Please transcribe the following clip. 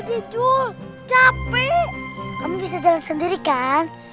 udah deh jul capek kamu bisa jalan sendiri kan